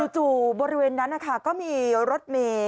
บริเวณนั้นนะคะก็มีรถเมย์